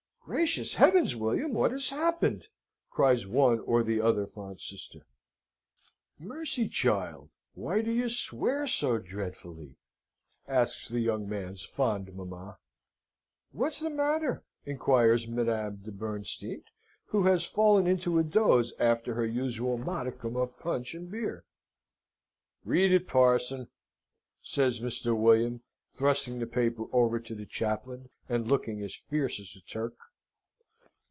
"Gracious heavens, William! What has happened?" cries one or the other fond sister. "Mercy, child, why do you swear so dreadfully?" asks the young man's fond mamma. "What's the matter?" inquires Madame de Bernstein, who has fallen into a doze after her usual modicum of punch and beer. "Read it, Parson!" says Mr. William, thrusting the paper over to the chaplain, and looking as fierce as a Turk.